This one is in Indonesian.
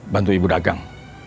bantu ibu dagang